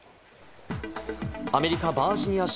アメリカ・バージニア州。